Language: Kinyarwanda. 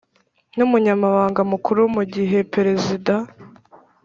N umunyamabanga mukuru mu gihe peresida